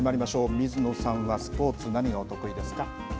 水野さんはスポーツ、何がお得意ですか。